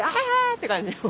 って感じ。